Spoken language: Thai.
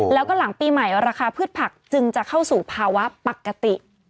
แล้วก็หลังปีใหม่ราคาพืชผักจึงจะเข้าสู่ภาวะปกติ